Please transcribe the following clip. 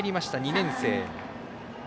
２年生。